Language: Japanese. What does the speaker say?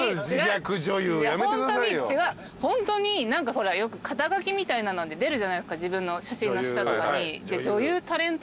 ホントに何かほらよく肩書みたいなので出るじゃないですか自分の写真の下とかに。